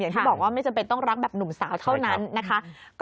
อย่างที่บอกว่าไม่จำเป็นต้องรักแบบหนุ่มสาวเท่านั้นนะคะ